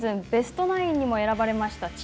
ベストナインにも選ばれました